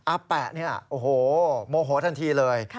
อาแปะเนี่ยโอ้โหโมโหทันทีเลย